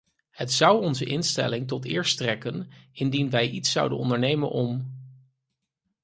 Het zou onze instelling tot eer strekken indien wij iets zouden ondernemen om.......